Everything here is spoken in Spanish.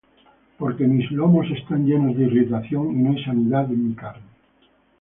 Porque mis lomos están llenos de irritación, Y no hay sanidad en mi carne.